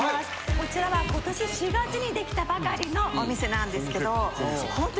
こちらは今年４月に出来たばかりのお店なんですけどほんと